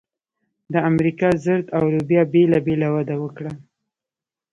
د امریکا ذرت او لوبیا بېله بېله وده وکړه.